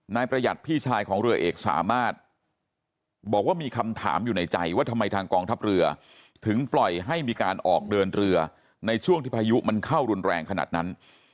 ประหยัดพี่ชายของเรือเอกสามารถบอกว่ามีคำถามอยู่ในใจว่าทำไมทางกองทัพเรือถึงปล่อยให้มีการออกเดินเรือในช่วงที่พายุมันเข้ารุนแรงขนาดนั้น